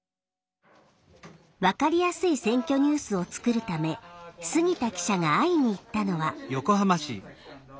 分かりやすい「選挙ニュース」を作るため杉田記者が会いに行ったのは。